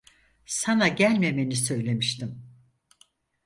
Sana gelmemeni söylemiştim.